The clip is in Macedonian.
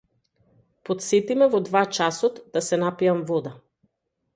Потсети ме во два часот да се напијам вода.